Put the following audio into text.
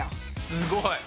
すごい。